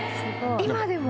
今でも？